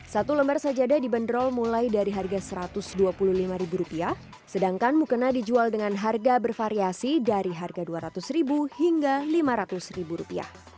satu lembar sajadah dibanderol mulai dari harga rp satu ratus dua puluh lima sedangkan mukena dijual dengan harga bervariasi dari harga rp dua ratus hingga rp lima ratus